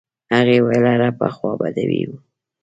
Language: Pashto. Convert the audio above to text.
هغې ویل عرب پخوا بدوي وو.